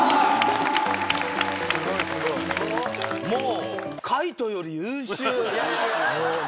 もう。